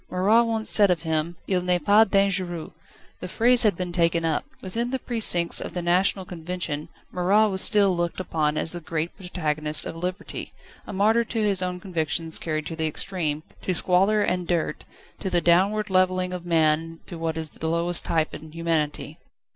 Marat once said of him: "Il n'est pas dangereux." The phrase had been taken up. Within the precincts of the National Convention, Marat was still looked upon as the great protagonist of Liberty, a martyr to his own convictions carried to the extreme, to squalor and dirt, to the downward levelling of man to what is the lowest type in humanity.